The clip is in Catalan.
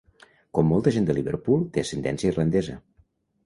Com molta gent de Liverpool té ascendència irlandesa.